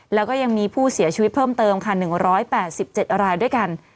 แล้วก็ยังมีผู้เสียชีวิตเพิ่มเติมค่ะ๑๘๗รายด้วยกัน